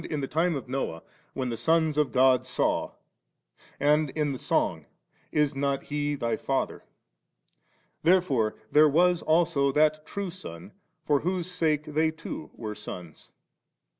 the time of Noah, *When the sons of God saw/ and in the Song, * Is not He thy Father^ ?> Therefore there was also that True Son, for whose sake they too were sons.